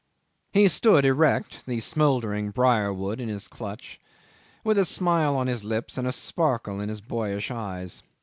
..." 'He stood erect, the smouldering brier wood in his clutch, with a smile on his lips and a sparkle in his boyish eyes.